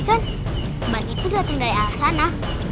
tadi kan ban itu dateng dari arah sana